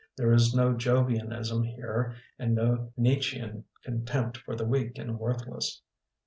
There is no Jovianism here and no Nietzschean contdh^t for the weak and worthless.